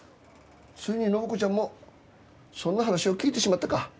ついに暢子ちゃんもそんな話を聞いてしまったか。